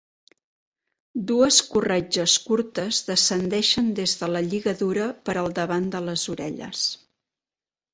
Dues corretges curtes descendeixen des de la lligadura per al davant de les orelles.